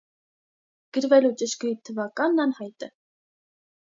Գրվելու ճշգրիտ թվականն անհայտ է։